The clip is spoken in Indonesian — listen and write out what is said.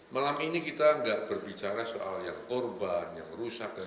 malam ini kita tidak berbicara soal yang korban yang rusak dan